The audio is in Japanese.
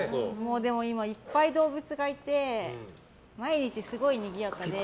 でも今、いっぱい動物がいて毎日すごいにぎやかで。